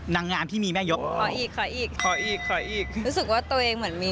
นางงามที่มีแม่ยกขออีกขออีกขออีกขออีกรู้สึกว่าตัวเองเหมือนมี